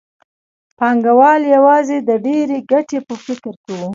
پانګوال یوازې د ډېرې ګټې په فکر کې وو